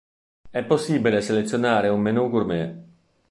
È possibile selezionare un menù gourmet.